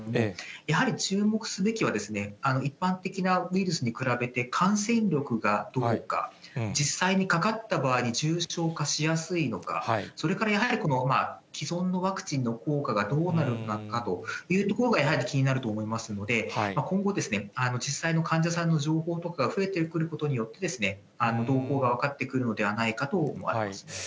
やはり注目すべきは、一般的なウイルスに比べて感染力がどうか、実際にかかった場合に重症化しやすいのか、それからやはり、既存のワクチンの効果がどうなるかというところが、やはり、気になると思いますので、今後、実際の患者さんの情報とかが増えてくることによって、動向が分かってくるのではないかと思われますね。